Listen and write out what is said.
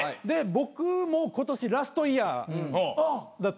で僕も今年ラストイヤー。